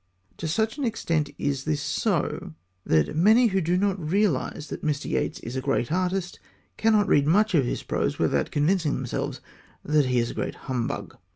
To such an extent is this so that many who do not realize that Mr. Yeats is a great artist cannot read much of his prose without convincing themselves that he is a great humbug.